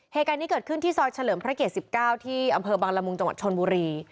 เหตุการณ์นี้เกิดขึ้นที่ซอยเฉลิมพระเกต๑๙ที่อำเภอบังละมุงจังหวัดชนบุรี